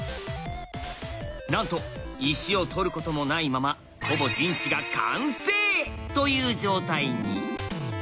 なんと石を取ることもないままほぼ陣地が完成！という状態に。